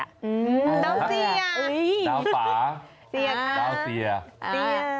ดาวเสียดาวป่าเสียดาวเสียเสีย